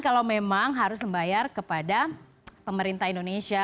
kalau memang harus membayar kepada pemerintah indonesia